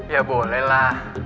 ya boleh lah